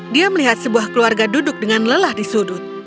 dia melihat sebuah keluarga duduk dengan lelah di sudut